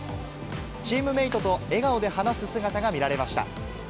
チームメートと笑顔で話す姿が見られました。